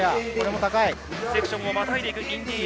セクションをまたいでいく、インディエア。